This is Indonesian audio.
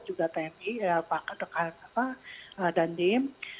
juga tni pak ketekan dan dim